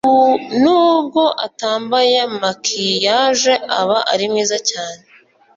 Nubwo atambaye maquillage aba ari mwiza cyane